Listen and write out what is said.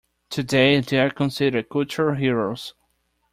Today they are considered culture heroes.